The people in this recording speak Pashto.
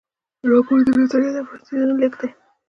راپور د نظریاتو او وړاندیزونو لیږد دی.